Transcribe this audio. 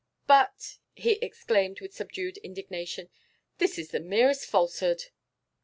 'But,' he exclaimed, with subdued indignation, 'this is the merest falsehood!